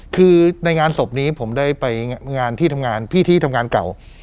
คือในงานศพนี้ผมได้ไปงานที่ทำงานพี่ที่ทำงานเก่า